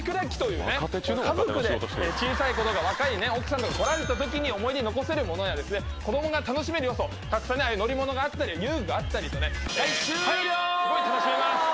家族で小さい子とか若い奥さんとか来られた時に思い出に残せるものや子どもが楽しめる要素乗り物があったり遊具があったりとねすごい楽しめます